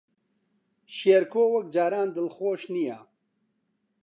شێرکۆ وەک جاران دڵخۆش نییە.